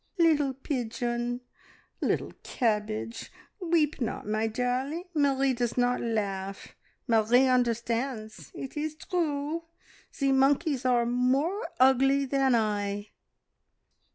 "Little pigeon! little cabbage! Weep not, my darling! Marie does not laugh. Marie understands. It is true! The monkeys are more ugly than I."